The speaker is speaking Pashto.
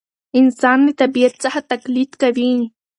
انسان له طبیعت څخه تقلید کوي.